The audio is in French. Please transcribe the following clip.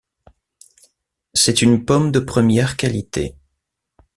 C'est une pomme de première qualité.